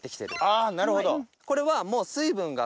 あなるほど。